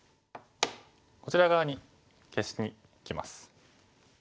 こちら側に消しにきます。